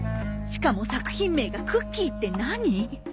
しかも作品名が「クッキー」って何？